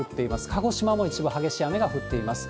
鹿児島も一部激しい雨が降っています。